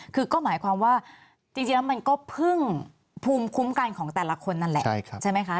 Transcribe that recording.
คือก็หมายความว่าจริงแล้วมันก็พึ่งภูมิคุ้มกันของแต่ละคนนั่นแหละใช่ไหมคะ